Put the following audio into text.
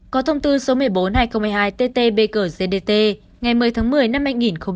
có thông tư số một mươi bốn hai nghìn hai mươi ba tt bg gdt ngày một mươi tháng một mươi năm hai nghìn một mươi hai